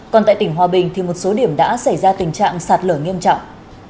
còn tại tỉnh hòa bình thì một số điểm đã xảy ra tình trạng sạt lở nghiêm trọng